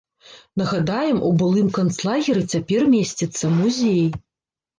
Нагадаем, у былым канцлагеры цяпер месціцца музей.